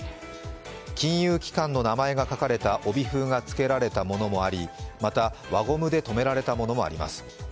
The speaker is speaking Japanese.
金融機関の名前が書かれた帯封がつけられたものもありまた、輪ゴムでとめられたものもあります。